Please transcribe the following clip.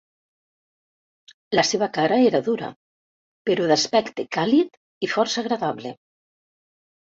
La seva cara era dura, però d'aspecte càlid i força agradable.